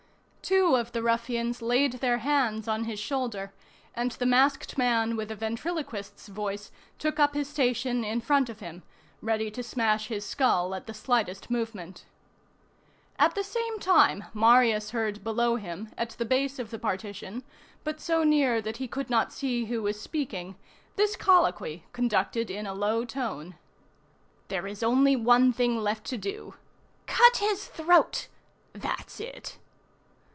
Two of the ruffians laid their hands on his shoulder, and the masked man with the ventriloquist's voice took up his station in front of him, ready to smash his skull at the slightest movement. At the same time, Marius heard below him, at the base of the partition, but so near that he could not see who was speaking, this colloquy conducted in a low tone:— "There is only one thing left to do." "Cut his throat." "That's it."